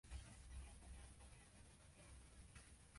生死の課題として与えられるものでなければならない。